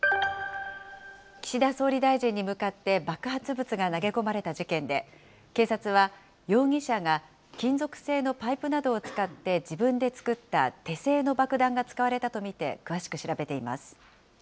岸田総理大臣に向かって爆発物が投げ込まれた事件で、警察は、容疑者が金属製のパイプなどを使って、自分で作った手製の爆弾が使われたと見て詳しく調べています。